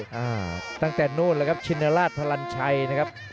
ตั้งแต่นู่นแล้วครับชินราชพลันชัยนะครับ